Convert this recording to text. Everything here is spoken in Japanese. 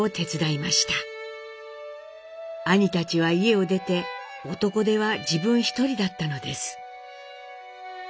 兄たちは家を出て男手は自分ひとりだったのです。